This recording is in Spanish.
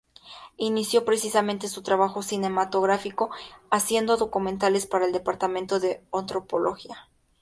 Inició precisamente su trabajo cinematográfico haciendo documentales para el departamento de antropología.